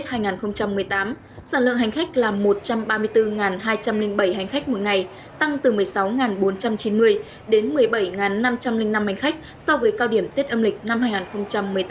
sản lượng hành khách là một trăm ba mươi bốn hai trăm linh bảy hành khách một ngày tăng từ một mươi sáu bốn trăm chín mươi đến một mươi bảy năm trăm linh năm hành khách so với cao điểm tết âm lịch năm hai nghìn một mươi tám